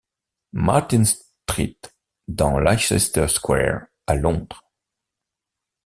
Martin's Treet, dans Leicester Square, à Londres.